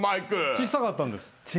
小さかったんです。